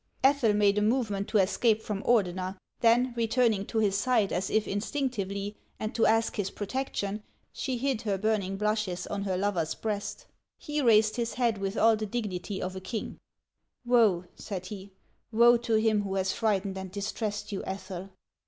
Ethel made a movement to escape from Ordener ; then, returning to his side as if instinctively, and to ask his pro tection, she hid her burning blushes on her lover's breast, He raised his head with all the dignity of a king. 60 HANS OF ICELAND. " Woe," said he, " woe to him who has frightened and distressed you, Ethel